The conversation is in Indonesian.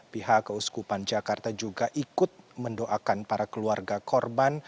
pihak keuskupan jakarta juga ikut mendoakan para keluarga korban